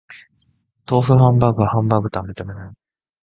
豆腐ハンバーグはハンバーグとは認めない